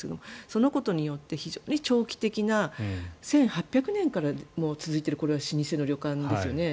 そのことによって非常に長期的な１８００年続いているこれは老舗の旅館ですよね。